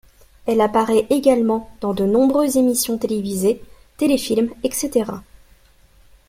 Elle apparaît également dans de nombreuses émissions télévisées, téléfilms, etc.